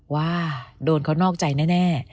ว่าโดนเขานอกใจแน่